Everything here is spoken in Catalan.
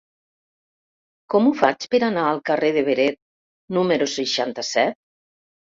Com ho faig per anar al carrer de Beret número seixanta-set?